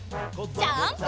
ジャンプ！